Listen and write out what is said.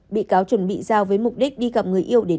bị cáo chuẩn bị giao với mục đích đi gặp người yêu để đe dọa